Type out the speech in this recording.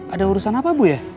ada urusan apa bu ya